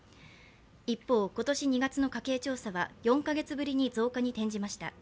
一方、今年２月の家計調査は４か月ぶりに増加に転じました。